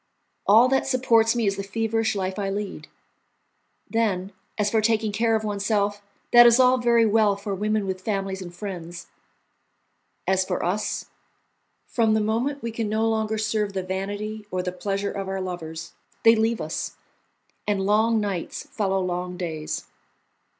All that supports me is the feverish life I lead. Then, as for taking care of oneself, that is all very well for women with families and friends; as for us, from the moment we can no longer serve the vanity or the pleasure of our lovers, they leave us, and long nights follow long days.